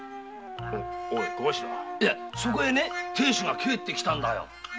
そこへ亭主が帰って来たんだよ。